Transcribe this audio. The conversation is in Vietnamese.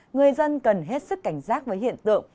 người dân cần hết sức cảnh giác với hiện tượng